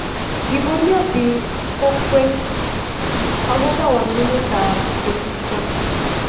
Kibolyo biik kwekeny akobo waletab koristo